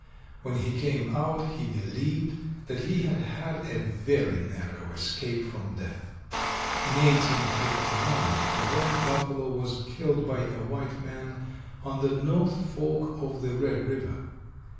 When he came out he believed that he had had a very narrow escape from death. In 1859 a white Buffalo was killed by a white man on the north fork of the Red river.